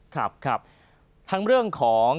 ครับครับทั้งเรื่องของ